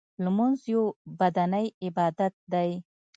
لمونځ یو بدنی عبادت دی .